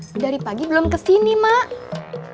dari pagi belum kesini mak